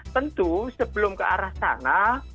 tentu sebelum ke arah sana